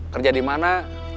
kerja di mana